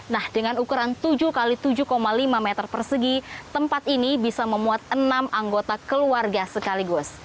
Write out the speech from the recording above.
nah dengan ukuran tujuh x tujuh lima meter persegi tempat ini bisa memuat enam anggota keluarga sekaligus